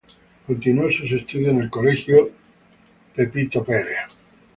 Continuó sus estudios en el Colegio Nuestra Señora del Huerto.